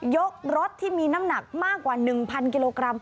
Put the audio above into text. รถที่มีน้ำหนักมากกว่า๑๐๐กิโลกรัม